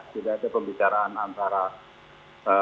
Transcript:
tidak ada pembicaraan antara